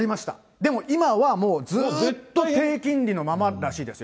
でも、今はもう、ずっと低金利のままらしいですよ。